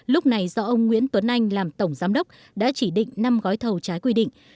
lúc này do ông nguyễn tuấn anh làm tổng giám đốc đã chỉ định năm gói thầu trái quy định